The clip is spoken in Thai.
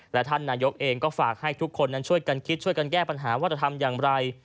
และท่านนายกเองก็ฝากให้ทุกคนนั้นช่วยกันคิดช่วยกันแก้ปัญหาว่าจะทำอย่างไร